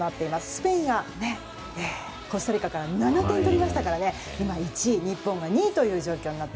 スペインがコスタリカから７点取りましたから今、１位日本が２位という状況。